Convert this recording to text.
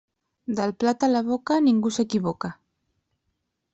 Del plat a la boca, ningú s'equivoca.